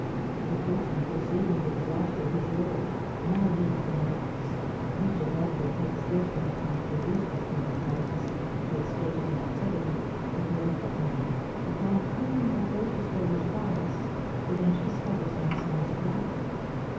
The coachman, perceiving the disaster of his lord, now leaped from the box. Mr. Godfrey had scarcely had time to reduce this new antagonist to a state of inactivity, before the footman, upon whom he had first displayed his prowess, began to discover some signs of life.